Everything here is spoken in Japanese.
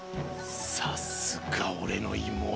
さすがおれの妹。